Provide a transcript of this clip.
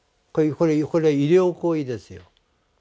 これ医療行為ですよ。